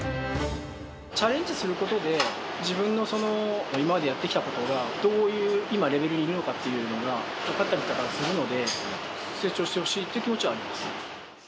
チャレンジすることで、自分の今までやってきたことが、どういう、今、レベルにいるのかっていうのが分かったりとかするので、成長してほしいっていう気持ちはあります。